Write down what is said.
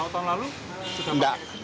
tahun lalu sudah pakai